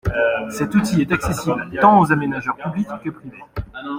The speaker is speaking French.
Cet outil est accessible tant aux aménageurs publics que privés.